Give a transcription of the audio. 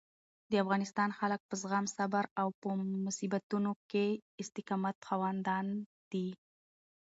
د افغانستان خلک په زغم، صبر او په مصیبتونو کې د استقامت خاوندان دي.